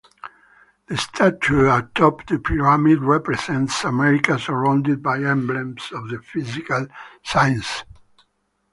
The statue atop the pyramid represents America surrounded by emblems of the physical sciences.